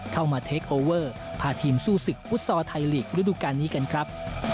มาเทคโอเวอร์พาทีมสู้ศึกฟุตซอลไทยลีกระดูกาลนี้กันครับ